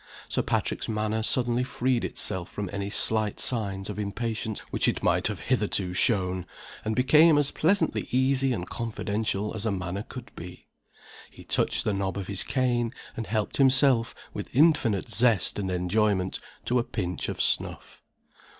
Sir Patrick's manner suddenly freed itself from any slight signs of impatience which it might have hitherto shown, and became as pleasantly easy and confidential as a manner could be. He touched the knob of his cane, and helped himself, with infinite zest and enjoyment, to a pinch of snuff.)